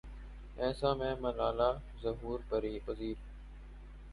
اَیسا میں ملالہ ظہور پزیر